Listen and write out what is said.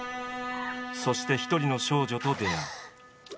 そして一人の少女と出会う。